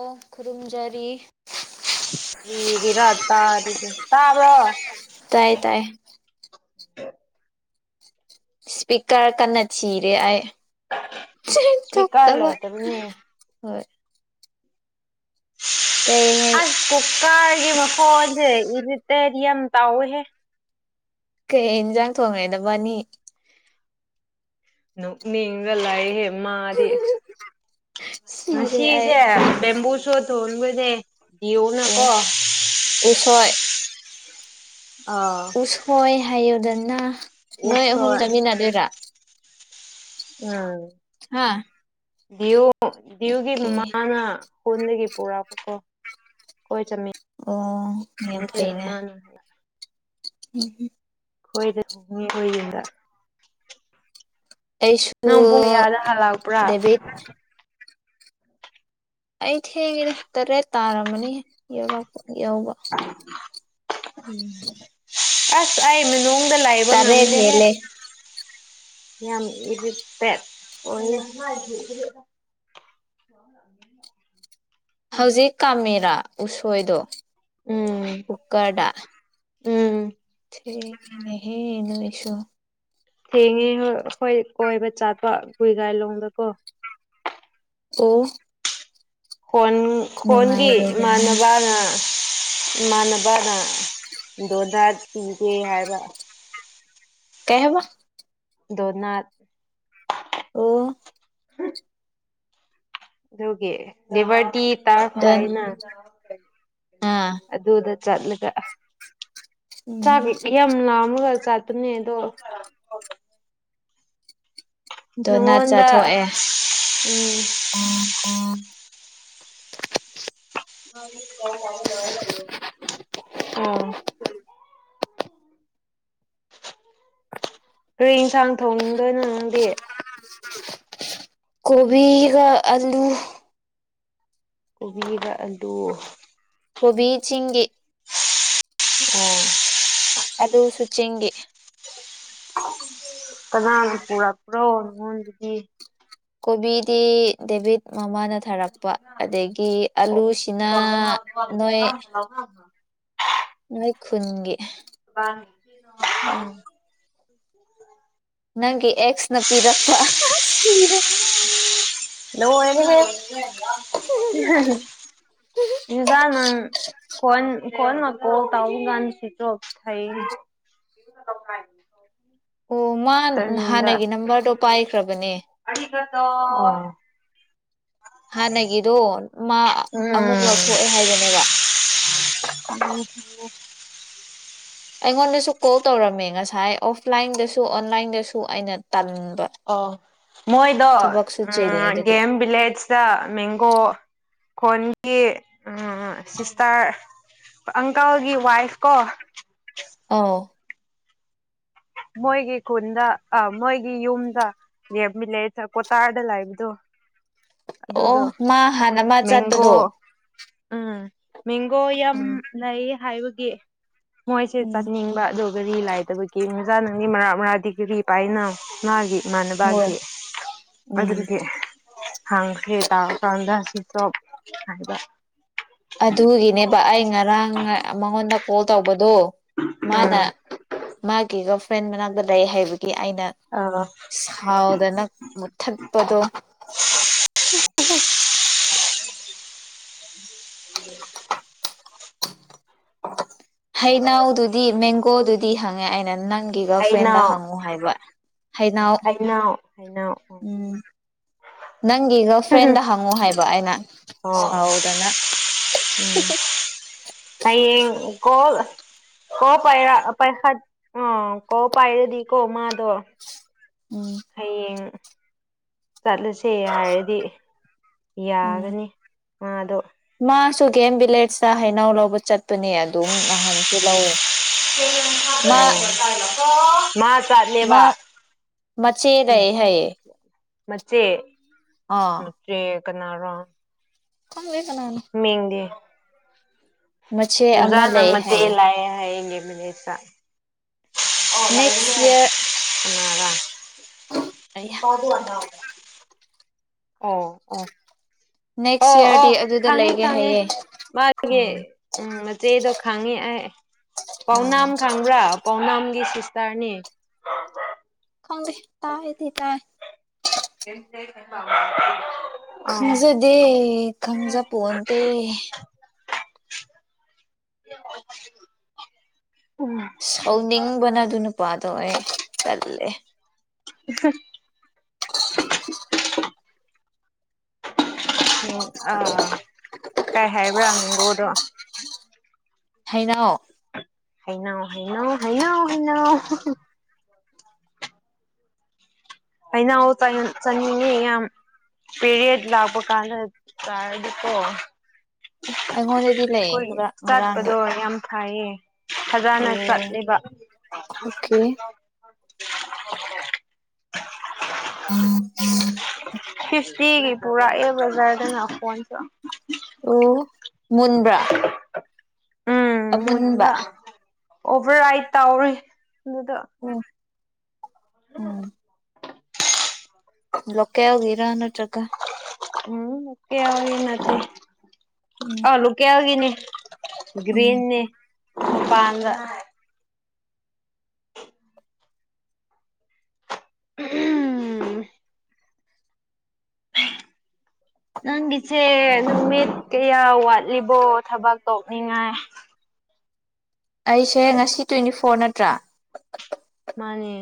ꯑꫭ ꯈꯨꯔꯨꯝꯖꯔꯤ꯫ ꯗꯤꯔꯔ ꯇꯥꯔꯤꯁꯦ ꯇꯥꯕ꯭ꯔꯣ꯫ ꯇꯥꯏ [unintelligible] [unintelligible] ꯏꯁꯄꯤꯀꯔ ꯀꯟꯅ ꯊꯤꯔꯤ ꯑꯩ ꯏꯁꯄꯤꯀꯔ ꯂꯩꯇꯕꯅꯦ [unintelligible] ꯍꯣꯏ ꯀꯩ ꯑꯁ ꯀꯨꯀꯔꯒꯤ ꯃꯈꯣꯟꯁꯦ ꯏꯔꯤꯇꯦꯠ ꯌꯥꯝ ꯇꯧꯋꯦꯍꯦ ꯀꯩ ꯏꯟꯁꯥꯡ ꯊꯣꯡꯉꯤ ꯅꯥꯕꯟꯅꯤ ꯅꯣꯛꯅꯤꯡ ꯉꯥ ꯂꯩ ꯃꯥꯗꯤ ꯁꯤꯔꯦ ꯑꯩ ꯉꯁꯤꯁꯦ ꯕꯦꯝꯕꯨꯁꯨꯘ ꯊꯣꯟꯕꯅꯦ ꯑꯣ ꯗꯤꯌꯣꯅꯀꯣ ꯎꯁꯣꯏ ꯑꯥ ꯎꯁꯣꯏ ꯍꯥꯏꯌꯨꯗꯅ ꯅꯣꯏ ꯑꯍꯨꯝ ꯎꯁꯣꯏ ꯆꯠꯃꯤꯟꯅꯗꯣꯏꯔꯥ ꯎꯝ ꯍꯥꯥ ꯗꯤꯌꯨ ꯗꯤꯌꯨꯒꯤ ꯃꯃꯥꯅ ꯈꯨꯟꯗꯒꯤ ꯄꯨꯔꯛꯄꯀꯣ ꯍꯣꯏ ꯆꯠꯃꯤꯟ ꯑꯣ [unintelligible] ꯃꯥꯅ ꯎꯝ ꯈꯣꯏꯗ ꯍꯣꯡꯉꯤ ꯑꯣꯏ ꯌꯦꯗ ꯑꯩꯁꯨ ꯍꯜꯂꯛꯄ꯭ꯔꯥ ꯗꯦꯕꯤꯠ ꯑꯩ ꯊꯦꯡꯉꯦꯗ ꯇꯔꯦꯠ ꯇꯥꯔꯝꯃꯅꯤ ꯌꯧꯔꯛꯄ ꯌꯧꯕ ꯎꯝ ꯑꯁ ꯑꯩ ꯃꯅꯨꯡꯗ ꯂꯩꯕ ꯇꯔꯦꯠ ꯉꯝꯗꯦꯍꯦ ꯍꯦꯜꯂꯦ ꯌꯥꯝ ꯏꯔꯤꯇꯦꯠ ꯑꯣꯏꯌꯦ [unintelligible] ꯍꯧꯖꯤꯛ ꯀꯥꯝꯃꯦꯔꯥ ꯎꯁꯣꯏꯗꯣ ꯎꯝ ꯀꯨꯀꯔꯗ ꯎꯝ ꯅꯦꯍꯦ ꯅꯨꯁꯣ ꯊꯦꯡꯉꯦ ꯍꯣꯏ ꯀꯣꯏꯕ ꯆꯥꯠꯄ ꯔꯨꯏꯒꯥꯏꯂꯣꯡꯗꯀꯣ ꯑꯣ ꯈꯣꯟ ꯈꯣꯟꯒꯤ ꯅꯨꯡꯉꯥꯏꯔꯦꯗꯅ ꯏꯃꯥꯟꯅꯕꯅ ꯏꯃꯥꯟꯅꯕꯅ ꯗꯣꯟꯗꯥ ꯄꯤꯒꯦ ꯍꯥꯏꯕ ꯀꯩꯕ ꯗꯣꯅꯠ ꯑꯣ ꯑꯗꯨꯒꯤ ꯗꯦꯕꯔꯗꯤ ꯇꯥꯛꯁ ꯗꯟ ꯂꯥꯛꯏꯅ ꯑꯥ ꯑꯗꯨꯗ ꯆꯠꯂꯒ ꯆꯥꯛ ꯎꯝ ꯌꯥꯝ ꯂꯥꯝꯃꯒ ꯆꯠꯄꯅꯦ ꯑꯗꯣ ꯗꯣꯅꯠ ꯅꯪꯉꯣꯟꯗ ꯆꯠꯊꯣꯛꯑꯦ ꯎꯝ ꯑꯧ ꯀꯔꯤ ꯏꯟꯁꯥꯡ ꯊꯣꯡꯅꯤꯡꯗꯣꯏꯅꯣ ꯅꯪꯗꯤ ꯀꯣꯕꯤꯒ ꯑꯜꯂꯨ ꯀꯣꯕꯤꯒ ꯑꯜꯂꯨ ꯀꯣꯕꯤ ꯆꯤꯡꯒꯤ ꯑꯣ ꯑꯗꯨꯁꯨ ꯆꯤꯡꯒꯤ ꯀꯅꯥꯒ ꯄꯨꯔꯛ ꯄꯔꯣ ꯅꯪꯉꯣꯟꯗꯗꯤ ꯀꯣꯕꯤꯗꯤ ꯗꯦꯕꯤꯠ ꯃꯃꯥꯅ ꯊꯥꯔꯛ ꯄ ꯑꯗꯥꯒꯤ ꯑꯂꯨꯁꯤꯅ ꯅꯣꯏ ꯅꯣꯏ ꯈꯨꯟꯒꯤ [unintelligible] ꯅꯪꯒꯤ ꯑꯦꯛꯁ ꯅ ꯄꯤꯔꯛꯄ ꯂꯣꯏꯔꯦꯍꯦ ꯏꯟꯖꯥꯡ ꯐꯣꯟ ꯀꯣꯟ ꯋꯧꯕ ꯀꯥꯟꯗꯥ ꯁꯋꯤꯆꯣꯞ ꯊꯩꯏ ꯑꯣ ꯃꯥ ꯍꯥꯟꯅꯒꯤ ꯅꯝꯕꯔꯗꯣ ꯄꯥꯏꯈ꯭ꯔꯕꯅꯦ ꯀꯣ ꯍꯥꯟꯅꯒꯤꯗꯣ ꯃꯥ ꯑꯃꯨꯛ ꯎꯝ ꯂꯧꯊꯣꯛꯑꯦ ꯍꯥꯏꯕꯅꯦꯕ [unintelligible] ꯑꯩꯉꯣꯟꯗꯁꯨ ꯀꯣꯜ ꯇꯧꯔꯝꯃꯦ ꯉꯁꯥꯏ ꯑꯣꯐꯂꯥꯏꯟꯗꯁꯨ ꯑꯣꯟꯂꯥꯏꯟꯗꯁꯨ ꯑꯩꯅ ꯇꯟꯕ ꯑꯣ ꯃꯣꯏꯗꯣ ꯊꯕꯛꯁꯨ ꯎ ꯆꯤꯜꯂꯦ ꯑꯗꯨꯒꯤ ꯒꯦꯝ ꯚꯤꯂꯦꯖꯇ ꯃꯦꯡꯒꯣ ꯈꯣꯟꯒꯤ ꯎ ꯁꯤꯁꯇꯔ ꯑꯪꯀꯜꯒꯤ ꯋꯥꯏꯐ ꯀꯣ ꯑꯧ ꯃꯣꯏꯒꯤ ꯈꯨꯟꯗ ꯑ ꯃꯣꯏꯒꯤ ꯌꯨꯝꯗ ꯌꯦꯃꯤ ꯂꯩ ꯆꯀꯣꯇꯥꯔꯗ ꯂꯩꯕꯗꯣ ꯑꯣ ꯑꯗꯨꯗꯣ ꯃꯥ ꯍꯥꯟꯅ ꯃꯥ ꯃꯦꯡꯒꯣ ꯆꯠꯄꯗꯣ ꯎꯝ ꯃꯦꯡꯒꯣ ꯌꯥꯝ ꯎꯝ ꯂꯩ ꯍꯥꯏꯕꯒꯤ ꯃꯣꯏꯁꯦ ꯎꯝ ꯆꯠꯅꯤꯡꯕ ꯑꯗꯨꯒꯗꯤ ꯂꯥꯏꯗꯕꯒꯤ ꯖꯥꯅꯒꯤ ꯃꯔꯥ ꯃꯔꯥ ꯗꯤꯒ꯭ꯔꯤ ꯄꯥꯏꯅ ꯃꯥꯒꯤ ꯍꯣꯏ ꯏꯃꯥꯟꯅꯕꯒꯤꯗꯤ ꯎꯝ ꯑꯗꯨꯗꯤ ꯍꯥꯡꯈ꯭ꯔꯦ ꯇꯥꯔꯀꯥꯟꯗ ꯁꯣꯛ ꯉꯥꯏꯕ ꯑꯗꯨꯒꯤꯅꯦꯕ ꯑꯩ ꯉꯔꯥꯡ ꯃꯉꯣꯟꯗ ꯀꯣꯜ ꯇꯧꯕ ꯑꯗꯣ ꯃꯥꯅ ꯎꯝ ꯃꯥꯒꯤ ꯒꯔ ꯐ꯭ꯔꯦꯟ ꯃꯅꯥꯛꯇ ꯂꯩ ꯍꯥꯏꯕ ꯒꯤ ꯑꯩꯅ ꯑ ꯁꯥꯎꯗꯅ ꯃꯨꯊꯠꯄꯗꯣ [unintelligible] ꯍꯩꯅꯧꯗꯨꯗꯤ ꯃꯦꯡꯒꯣꯗꯨꯗꯤ ꯍꯪꯉꯦ ꯑꯩꯅ ꯅꯪ ꯅꯪꯒꯤ ꯒꯔ ꯐ꯭ꯔꯦꯟꯗ ꯍꯩꯅꯧ ꯍꯪꯉꯨ ꯍꯥꯏꯕ ꯍꯩꯅꯧ ꯍꯩꯅꯧ ꯍꯩꯅꯧ ꯎꯝ ꯅꯪꯒꯤ ꯒꯔꯜ ꯐ꯭ꯔꯦꯟꯗ ꯍꯪꯉꯨ ꯍꯥꯏꯕ ꯑꯩꯅ ꯑꯣ ꯁꯥꯎꯗꯅ ꯎꯝ ꯍꯌꯦꯡ ꯀꯣꯜ ꯀ ꯄꯥꯏꯔ ꯄꯥꯏꯈꯥ ꯑꯥ ꯀꯣꯜ ꯄꯥꯏꯔꯗꯤꯀꯣ ꯃꯥꯗꯣ ꯎꯝ ꯍꯌꯦꯡ ꯆꯠꯂꯁꯦ ꯍꯥꯏꯔꯗꯤ ꯎꯝ ꯌꯥꯒꯅꯤ ꯃꯥꯗꯣ ꯃꯥꯁꯨ ꯒꯦꯝ ꯚꯤꯂꯦꯖꯇ ꯍꯩꯅꯧ ꯂꯧꯕ ꯆꯠꯄꯅꯦ ꯑꯗꯨꯝ ꯅꯍꯥꯟꯁꯨ ꯂꯧꯋꯦ ꯃꯥ ꯑꯣ ꯃꯥ ꯃꯥ ꯆꯠꯂꯦꯕ ꯃꯆꯦ ꯂꯩ ꯍꯥꯏꯌꯦ ꯃꯆꯦ ꯑꯥ ꯃꯆꯦ ꯀꯅꯥꯔꯣ ꯈꯪꯗꯦ ꯀꯅꯥꯅꯣ ꯃꯤꯡꯗꯤ ꯃꯆꯦ ꯑꯃ ꯅꯨꯖꯥꯅ ꯂꯩ ꯃꯆꯦ ꯍꯥꯏꯌꯦ ꯂꯥꯛꯑꯦ ꯍꯥꯏꯌꯦ ꯒꯦꯝ ꯚꯤꯂꯦꯁꯇ ꯅꯦꯛꯁ ꯏꯌꯔ ꯇ ꯑꯗꯨ ꯋꯥꯗ ꯑꯣ ꯑꯣ ꯅꯦꯛꯁ ꯑꯣ ꯌꯔꯗꯤ ꯑꯣ ꯑꯗꯨꯗ ꯈꯪꯉꯤ ꯂꯩꯒꯦ ꯈꯪꯉꯤ ꯍꯥꯏꯌꯦ ꯃꯥꯒꯤ ꯎꯝ ꯎꯝ ꯃꯆꯦꯗꯣ ꯈꯪꯉꯤ ꯑꯩ ꯄꯥꯎꯅꯥꯝ ꯎꯝ ꯈꯪꯕ꯭ꯔꯥ ꯄꯥꯎꯅꯥꯝ ꯒꯤ ꯁꯤꯁꯇꯥꯔꯅꯤ ꯈꯪꯗꯦ ꯇꯥꯕꯨꯗꯤ ꯇꯥꯔꯦ [unintelligible] ꯈꯪꯖꯗꯦ ꯈꯪꯖꯄꯣꯟꯇꯦ [unintelligible] ꯁꯥꯎꯅꯤꯡꯕꯅ ꯑꯗꯨꯏ ꯅꯨꯄꯥꯥꯗꯣ ꯇꯟꯂꯦ [unintelligible] ꯑ ꯀꯥꯏ ꯍꯥꯏꯕ꯭ꯔꯥ ꯅꯨꯡꯒꯣꯗꯣ ꯍꯩꯅꯧ ꯍꯩꯅꯧ ꯍꯩꯅꯧ ꯍꯩꯅꯧ ꯍꯩꯅꯧ ꯍꯩꯅꯧ ꯆꯥꯅꯤꯡꯏ ꯌꯥꯝ ꯄꯤꯔꯤꯠ ꯂꯥꯛꯄ ꯀꯥꯟꯗ ꯇꯔ ꯑꯗꯨꯀꯣ ꯑꯩꯉꯣꯟꯗꯗꯤ ꯂꯩꯌꯦ ꯈꯔꯥ ꯉꯔꯥꯡꯒꯤ ꯆꯠꯄꯗꯣ ꯌꯥꯝ ꯐꯩꯌꯦ ꯐꯖꯅ ꯑꯣ ꯆꯠꯂꯤꯕ ꯑꯣꯀꯦ ꯍꯤꯁ ꯆꯦꯒꯤ ꯄꯨꯔꯛ ꯑꯦ ꯑꯣ ꯃꯨꯟꯕ꯭ꯔꯥ ꯎꯝ ꯑꯃꯨꯟꯕ ꯃꯨꯟꯕ ꯑꯣꯚꯔ ꯔꯥꯏꯠ ꯇꯧꯔꯤ ꯑꯗꯨꯗꯣ ꯎꯝ ꯎꯝ ꯂꯀꯦꯜꯒꯤꯔꯥ ꯅꯠꯇꯔꯒ ꯎꯝ ꯀꯒꯤ ꯎꯝ ꯑꯥ ꯂꯣꯀꯦꯜꯒꯤꯅꯦ ꯎꯝ ꯒ꯭ꯔꯤꯟꯅꯤ ꯄꯥꯡꯒ ꯍꯨꯝ ꯅꯪꯒꯤꯁꯦ ꯅꯨꯃꯤꯠ ꯀꯌꯥ ꯋꯥꯠꯂꯤꯕꯣ ꯊꯕꯛ ꯇꯧꯅꯤꯡꯉꯥꯏ ꯑꯩꯁꯦ ꯉꯁꯤ ꯇ꯭ꯋꯦꯟꯇꯤ ꯐꯣꯔ ꯅꯠꯍꯇ꯭ꯔꯥ ꯃꯥꯅꯦ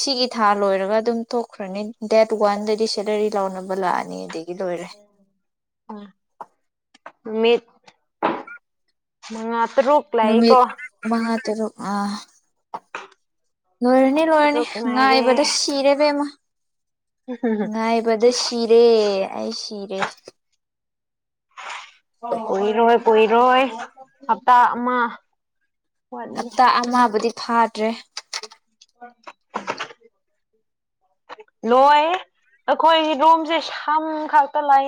ꯁꯤꯒꯤ ꯊꯥ ꯂꯣꯏꯔꯒ ꯑꯗꯨꯝ ꯊꯣꯛꯈ꯭ꯔꯅꯤ ꯗꯦꯠ ꯋꯥꯟꯗꯗꯤ ꯁꯦꯂꯔꯤ ꯂꯥꯎꯔꯕ ꯂꯥꯛꯑꯅꯤ ꯑꯗꯨꯗꯒꯤ ꯎꯝ ꯃꯤꯠ ꯃꯉꯥ ꯇꯔꯨꯛ ꯂꯏ ꯀꯣ ꯅꯨꯃꯤꯠ ꯃꯉꯥ ꯇꯔꯨꯛ ꯑ ꯂꯣꯏꯔꯅꯤ ꯂꯣꯏꯔꯅꯤ ꯇꯔꯨꯛ ꯉꯥꯏꯕꯗ ꯉꯥꯏꯔꯦ ꯁꯤꯔꯦꯕꯦꯝꯃ ꯉꯥꯏꯕꯗ ꯁꯤꯔꯦ ꯑꯩ ꯁꯤꯔꯦ ꯀꯨꯏꯔꯣꯏ ꯀꯨꯏꯔꯣꯏ ꯍꯞꯇꯥ ꯑꯃ ꯋꯥꯠꯂꯤ ꯍꯞꯇꯥ ꯑꯃꯕꯨꯗꯤ ꯐꯥꯗ꯭ꯔꯦ ꯂꯣꯏ ꯑꯩꯈꯣꯏ ꯔꯣꯝꯁꯦ ꯁꯝ ꯈꯥꯛꯇ ꯂꯥꯏ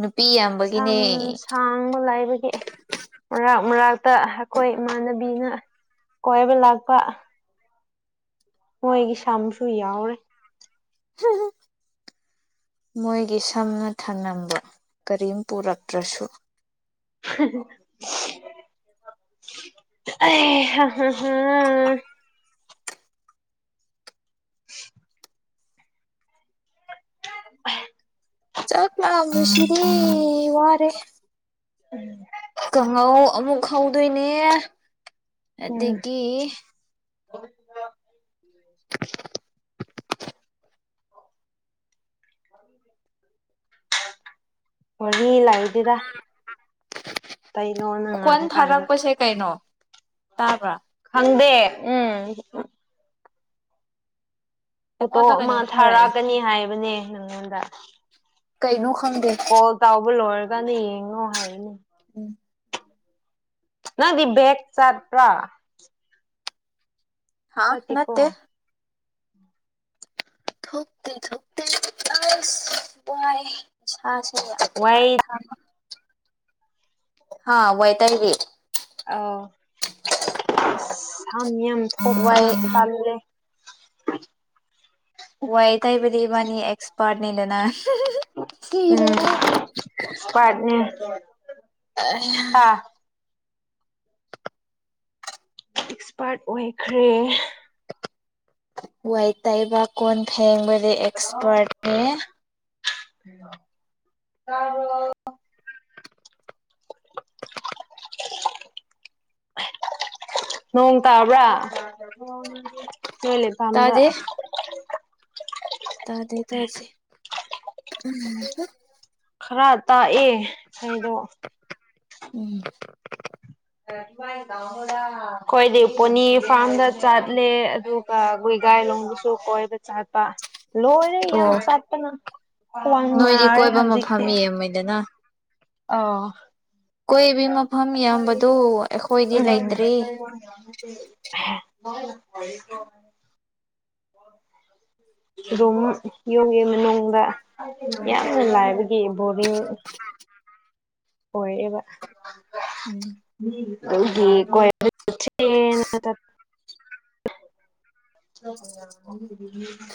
ꯅꯨꯄꯤ ꯌꯥꯝꯕꯒꯤꯅꯦ ꯁꯝ ꯁꯥꯡꯕ ꯂꯥꯏꯕꯒꯤ ꯑꯦ ꯃꯔꯥꯛ ꯃꯔꯥꯛꯇ ꯑꯩꯈꯣꯏ ꯏꯃꯥꯟꯅꯕꯤꯅ ꯀꯣꯏꯕ ꯂꯥꯛꯄ ꯍꯣꯏꯒꯤ ꯁꯝꯁꯨꯏ ꯌꯥꯎꯔꯦ ꯍꯥ ꯍꯥ ꯃꯣꯏꯒꯤ ꯁꯝꯅ ꯊꯝꯅꯝꯕꯗꯣ ꯀꯔꯤꯝ ꯄꯨꯔꯛꯇ꯭ꯔꯁꯨ ꯑꯦ ꯍꯥ ꯍꯝꯍꯝꯍꯝ ꯆꯥꯛ ꯉꯥꯏꯕꯁꯤꯗꯤ ꯋꯥꯔꯦ ꯎꯝ ꯀꯥꯡꯍꯧ ꯑꯃꯨꯛ ꯍꯧꯗꯣꯏꯅꯦ ꯎꯝ ꯑꯗꯒꯤ ꯍꯔꯤ ꯂꯥꯛ [unintelligible] ꯏꯗꯤꯗ ꯀꯔꯤꯅꯣ ꯈꯣꯟ ꯅꯪꯉꯥꯡꯉꯀꯥꯟꯗ ꯊꯥꯔꯛꯄꯁꯦ ꯀꯩꯅꯣ ꯇꯥꯕ꯭ꯔꯥ ꯈꯪꯉ ꯑꯗꯦ ꯎꯝ ꯐꯣꯇꯣ ꯑꯩꯉꯣꯟꯗ ꯑꯃ ꯀꯩꯅꯣꯝ ꯊꯥꯔꯛꯑꯦ ꯊꯥꯔꯛꯀꯅꯤ ꯍꯥꯏꯕꯅꯦ ꯅꯪꯉꯣꯟꯗ ꯀꯩꯩꯅꯣ ꯀꯣꯜ ꯇꯥꯎꯕ ꯂꯣꯏꯔꯀꯥꯟꯗ ꯌꯦꯡꯉꯣ ꯍꯥꯏꯒꯅꯤ ꯎꯝ ꯅꯪꯗꯤ ꯕꯦꯒ ꯆꯥꯠꯇꯄ꯭ꯔꯥ ꯍꯥꯥ ꯆꯠꯇꯦꯀꯣ ꯅꯠꯇꯦ ꯊꯣꯛꯇꯦ ꯊꯣꯛꯇꯦ ꯑꯁ ꯅꯨꯉꯥꯏꯔꯤ ꯋꯥꯏ [unintelligible] ꯍꯥ ꯋꯦꯠꯇꯔ ꯒꯤ ꯑꯧ ꯁꯥꯝ ꯌꯥꯝ ꯋꯥꯏ ꯊꯣꯛꯄꯅ ꯇꯜꯂꯦ ꯋꯥꯏ ꯇꯩꯕꯗꯤ ꯏꯕꯥꯅꯤ ꯑꯦꯛꯁꯄꯥꯔꯠꯅꯤꯗꯅ ꯎꯝ ꯁꯤꯔꯦꯍꯦ ꯑꯦꯛꯁꯄꯥꯔꯠꯅꯦ ꯍꯥ [unintelligible] ꯑꯦꯛꯁꯄꯥꯔꯠ ꯑꯣꯏꯈ꯭ꯔꯦ ꯋꯥꯏ ꯇꯩꯕ ꯀꯣꯟ ꯐꯦꯡꯕꯗꯤ ꯑꯦꯛꯁꯄꯥꯔꯠꯅꯦ ꯇꯥꯕ꯭ꯔꯣ ꯅꯣꯡ ꯇꯥꯕ꯭ꯔꯥ ꯅꯣꯏ ꯂꯩꯐꯝꯗ ꯇꯥꯗꯦ ꯇꯥꯗꯦ ꯇꯥꯗꯦ ꯈꯔ ꯇꯥꯛꯑꯦ ꯏꯁꯩꯗꯣ ꯎꯝ [unintelligible] ꯑꯩꯈꯣꯏꯗꯤ ꯄꯣꯅꯤ ꯐꯥꯔꯝꯗ ꯆꯠꯂꯦ ꯑꯗꯨꯒ ꯒꯨꯏꯒꯥꯏꯂꯣꯡꯗꯁꯨ ꯀꯣꯏꯕ ꯆꯠꯄ ꯂꯣꯏꯔꯦ ꯌꯥꯝ ꯑꯣ ꯆꯠꯇꯅ ꯈ꯭ꯋꯥꯡ ꯅꯣꯏꯗꯤ ꯅꯥꯔꯦ ꯀꯣꯏꯕ ꯃꯐꯝ ꯍꯧꯖꯤꯛꯇꯤ ꯌꯥꯝꯃꯤꯗꯅ ꯑꯧ ꯀꯣꯏꯕꯤ ꯃꯐꯝ ꯌꯥꯝꯕꯗꯨ ꯑꯩꯈꯣꯏꯗꯤ ꯎꯝ ꯂꯩꯇ꯭ꯔꯦ [inaudible] [inaudible] ꯑꯗꯨꯝ ꯌꯨꯝꯒꯤ ꯃꯅꯨꯡꯗ ꯌꯥꯝꯅ ꯂꯥꯏꯕꯒꯤ ꯕꯣꯔꯤꯡ [inaudible] ꯑꯣꯏꯌꯦꯕ ꯎꯝ ꯗꯨꯒꯤ ꯀꯣꯏꯕ ꯆꯠꯁꯦꯅ ꯆꯠ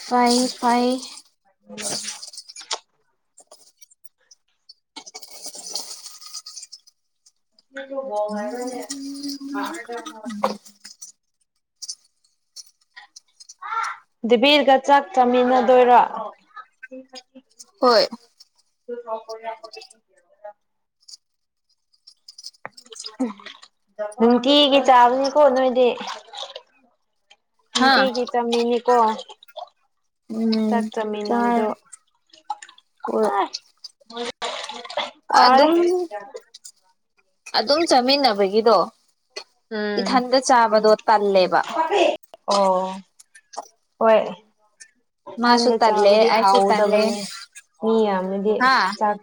ꯐꯩ ꯐꯩ [inaudible] [inaudible] [unintelligible] ꯗꯤꯕꯤꯔꯒ ꯆꯥꯛ ꯆꯥꯃꯤꯟꯅꯗꯣꯏꯔ ꯍꯣꯏ [inaudible] ꯅꯨꯡꯇꯤꯒꯤ ꯆꯥꯕꯅꯦꯀꯣ ꯅꯣꯏꯗꯤ ꯍꯥ ꯅꯨꯡꯇꯤꯒꯤ ꯇꯝꯃꯤꯅꯤꯀꯣ ꯎꯝ ꯆꯥꯃꯤꯟꯅꯕꯗꯣ ꯆꯥꯔꯦ ꯍꯣꯏ ꯑꯗꯨꯝ ꯑꯥꯢ ꯋꯥꯔꯦ ꯑꯗꯨꯝ ꯆꯥꯃꯤꯟꯅꯕꯒꯤꯗꯣ ꯎꯝ ꯏꯊꯟꯗ ꯆꯥꯕꯗꯣ ꯇꯜꯂꯦꯕ ꯑꯣ ꯍꯣꯏ ꯃꯥꯁꯨ ꯏꯊꯟꯗ ꯇꯜꯂꯦ ꯆꯥꯕꯗꯤ ꯑꯩꯁꯨ ꯇꯜꯂꯦ ꯍꯥꯎꯗꯕꯅꯤ ꯃꯤ ꯌꯥꯝꯃꯗꯤ ꯍꯥ ꯆꯥꯛ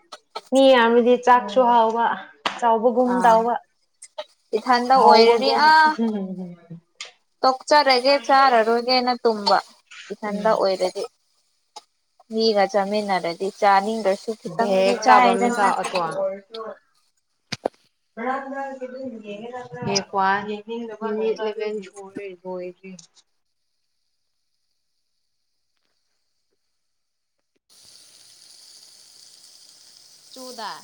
ꯃꯤ ꯌꯥꯝꯃꯗꯤ ꯆꯥꯛꯁꯨ ꯍꯥꯎꯕ ꯆꯥꯎꯕꯒꯨꯝ ꯑꯥ ꯇꯩꯕ ꯏꯊꯟꯗ ꯑꯣꯏꯔꯅꯤ ꯍꯥꯎꯕꯒꯨꯝ ꯑꯥ ꯇꯣꯛꯆꯔꯒꯦ ꯆꯥꯔꯔꯣꯏꯒꯦꯅ ꯇꯨꯝꯕ ꯎꯝ ꯏꯊꯟꯗ ꯑꯣꯏꯔꯗꯤ ꯃꯤꯒ ꯆꯥꯃꯤꯟꯅꯔꯗꯤ ꯆꯥꯅꯤꯡꯗ [unintelligible] [unintelligible] ꯆꯨꯗ